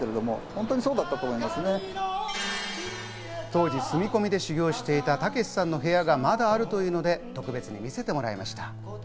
当時、住み込みで修業していた、たけしさんの部屋がまだあるというので特別に見せてもらいました。